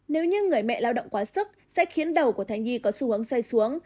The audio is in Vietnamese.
nếu như người mẹ lao động quá sức sẽ khiến đầu của thai nhi có xu hướng xay xuống